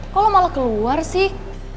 kok lo malah keluar sih